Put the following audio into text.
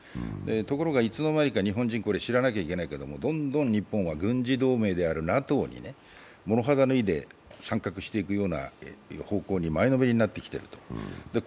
ところが、いつの間にか、日本人、知らなきゃいけないけど、どんどん日本は軍事同盟であるＮＡＴＯに諸肌脱いで参画していくのが鮮明になってるんですね。